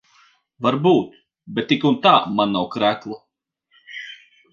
Varbūt. Bet tik un tā man nav krekla.